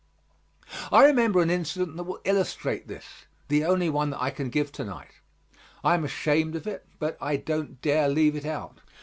I remember an incident that will illustrate this, the only one that I can give to night. I am ashamed of it, but I don't dare leave it out.